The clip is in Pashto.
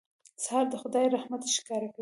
سهار د خدای رحمت ښکاره کوي.